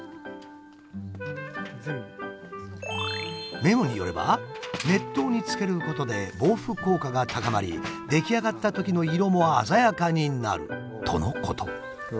メモによれば熱湯につけることで防腐効果が高まり出来上がったときの色も鮮やかになるとのこと。